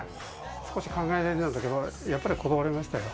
少し考えましたけど、やっぱり断りましたよ。